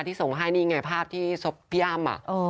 ที่ส่งให้นี่ไงภาพที่ซบย่ำอะ